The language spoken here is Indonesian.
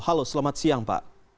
halo selamat siang pak